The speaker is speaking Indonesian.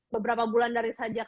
beberapa bulan dari sajak